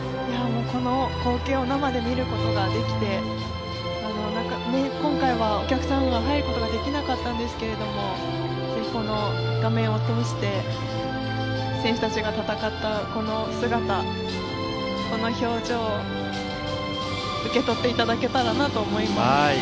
この光景を生で見ることができて今回はお客さんが入ることができなかったんですけど本当に画面を通して選手たちが戦ったこの姿この表情受け取っていただけたらなと思います。